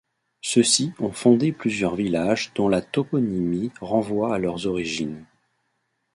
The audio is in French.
Ceux-ci ont fondé plusieurs villages dont la toponymie renvoie à leurs origines.